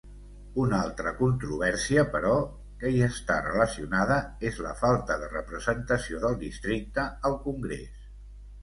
Una altra controvèrsia però que hi està relacionada és la falta de representació del districte al Congrés.